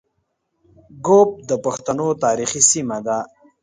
ږوب د پښتنو تاریخي سیمه ده